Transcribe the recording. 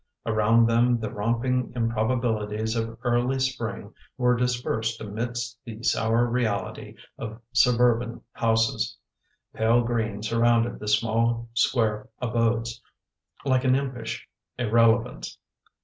Around them the romping improbabilities of early spring were dispersed amidst the sour reality of suburban houses. Pale green surrounded the small, square abodes, like an impish irrelevance.